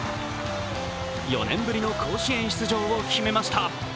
４年ぶりの甲子園出場を決めました